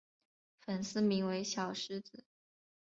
粉丝名为小狮子。